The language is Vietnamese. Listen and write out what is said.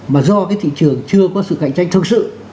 mà do cái thị trường chưa có sự cạnh tranh thực sự